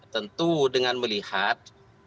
tentu dengan melihat